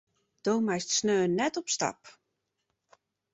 Do meist sneon net op stap.